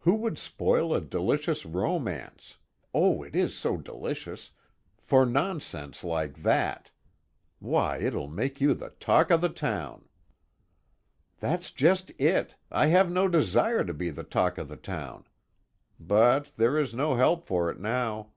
Who would spoil a delicious romance oh, it is so delicious for nonsense like that! Why, it'll make you the talk of the town." "That's just it. I have no desire to be the talk of the town. But there is no help for it now."